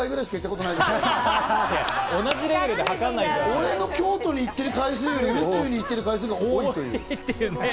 俺が京都に行ってる回数より宇宙に行ってる回数のほうが多い。